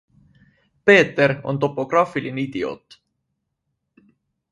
Peeter on topograafiline idioot.